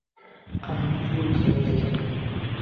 আমার ফুল ভালো লাগে না।